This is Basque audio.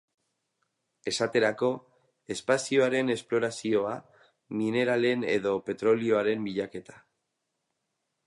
Esaterako, espazioaren esplorazioa, mineralen edo petrolioaren bilaketa.